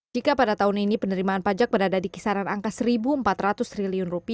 jika pada tahun ini penerimaan pajak berada di kisaran angka rp satu empat ratus triliun